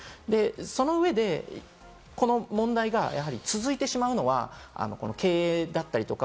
その上でこの問題が続いてしまうのは、経営だったりとか、